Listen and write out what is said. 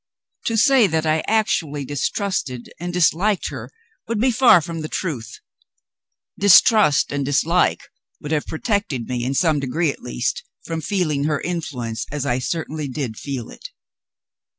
To say that I actually distrusted and disliked her would be far from the truth. Distrust and dislike would have protected me, in some degree at least, from feeling her influence as I certainly did feel it.